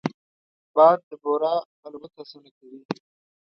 باد د بورا الوت اسانه کوي